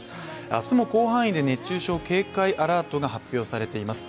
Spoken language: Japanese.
明日も広範囲で熱中症警戒アラートが発表されています。